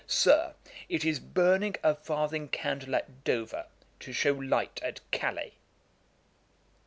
Sir, it is burning a farthing candle at Dover, to shew light at Calais.'